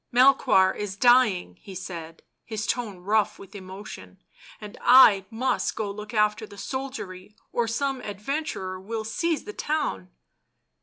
" Melehoir is dying," he said, his tone rough with emotion, " and I must go look after the soldiery or some adventurer will seize the town."